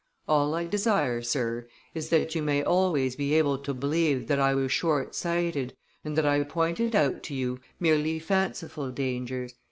All I desire, Sir, is that you may always be able to believe that I was short sighted, and that I pointed out to you merely fanciful dangers.